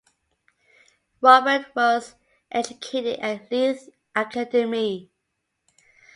Robert was educated at Leith Academy.